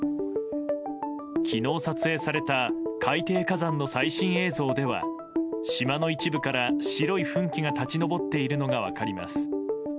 昨日、撮影された海底火山の最新映像では島の一部から白い噴気が立ち上っているのが分かります。